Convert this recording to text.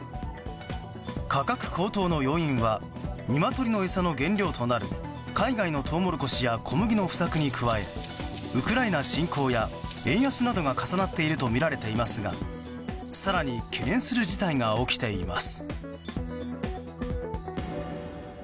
価格高騰の要因はニワトリの餌の原料となる海外のトウモロコシや小麦の不作に加えウクライナ侵攻や円安などが重なっているとみられていますが更に懸念する事態が起きています。